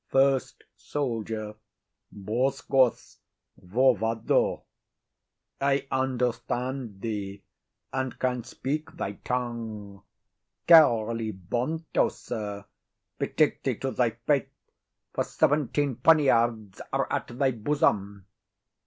FIRST SOLDIER. Boskos vauvado. I understand thee, and can speak thy tongue. Kerelybonto. Sir, Betake thee to thy faith, for seventeen poniards are at thy bosom.